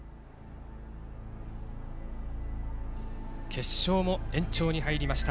「決勝も延長に入りました